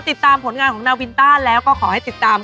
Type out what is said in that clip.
ติดตามผลงานของนาวินต้าแล้วก็ขอให้ติดตาม